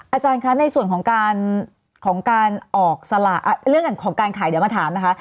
อาจารย์คะในส่วนของการขายเดี๋ยวมาถามนะคะ